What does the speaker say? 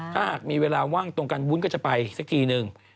ถ้าหากมีเวลาว่างตรงกันวุ้นก็จะไปสักทีนึง